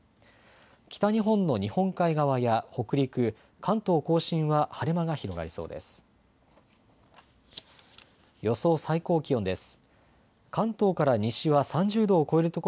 北日本の日本海側や北陸、関東甲信は晴れ間が広がりそうです。